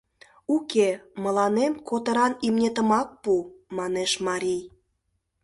— Уке, мыланем котыран имнетымак пу, — манеш марий.